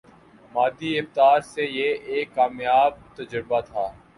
مادی اعتبار سے یہ ایک کامیاب تجربہ تھا